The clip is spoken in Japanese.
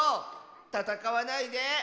たたかわないで。